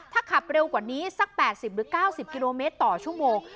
ถ้าขับเร็วกว่านี้สัก๘๐หรือ๙๐กิโลเมตรต่อชั่วโมง